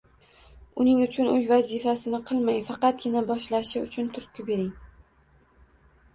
Uning uchun uy vazifasini qilmang, faqatgina boshlashi uchun turtki bering.